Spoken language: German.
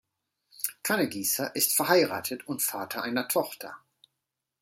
Kannegiesser ist verheiratet und Vater einer Tochter.